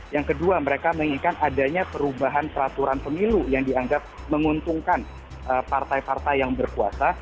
yang kedua mereka menginginkan adanya perubahan peraturan pemilu yang dianggap menguntungkan partai partai yang berkuasa